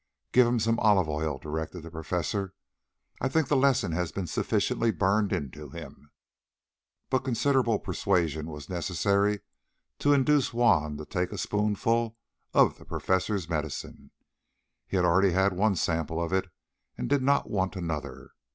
"Give him some olive oil," directed the Professor. "I think the lesson has been sufficiently burned into him." But considerable persuasion was necessary to induce Juan to take a spoonful of the Professor's medicine. He had already had one sample of it and he did not want another.